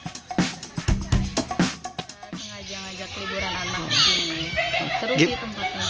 tempatnya cukup terjangkau ya dari rumah